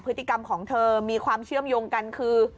พฤติกรรมของเธอมีความเชื่อมโยงกันคือ